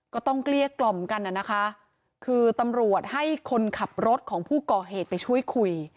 เกลี้ยกล่อมกันน่ะนะคะคือตำรวจให้คนขับรถของผู้ก่อเหตุไปช่วยคุย